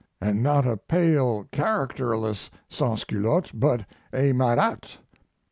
And not a pale, characterless Sansculotte, but a Marat.